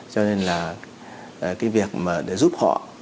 cho nên là cái việc để giúp họ